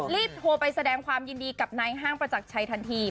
รีบโทรไปแสดงความยินดีกับนายห้างประจักรชัยทันที